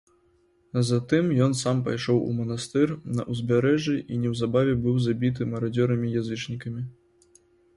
Затым ен сам пайшоў у манастыр на ўзбярэжжы і неўзабаве быў забіты марадзёрамі-язычнікамі.